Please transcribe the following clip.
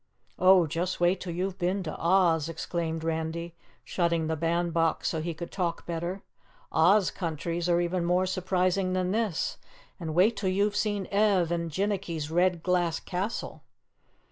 "Oh, just wait till you've been to OZ," exclaimed Randy, shutting the band box so he could talk better. "Oz countries are even more surprising than this, and wait till you've seen Ev and Jinnicky's Red Glass Castle!"